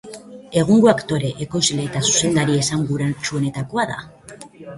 Egungo aktore, ekoizle eta zuzendari esanguratsuenetakoa da.